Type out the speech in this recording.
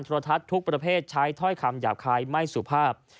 รทัศน์ทุกประเภทใช้ถ้อยคำหยาบคายไม่สุภาพ